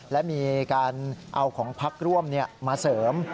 และมีการเอาของพักร่วมมาเสริม